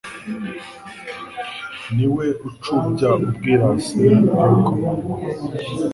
Ni we ucubya ubwirasi bw’ibikomangoma